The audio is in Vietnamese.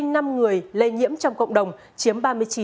một trăm linh năm người lây nhiễm trong cộng đồng chiếm ba mươi chín sáu